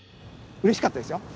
うれしかったですよ。